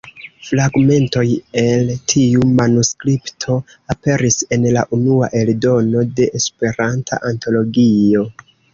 Fragmentoj el tiu manuskripto aperis en la unua eldono de "Esperanta Antologio".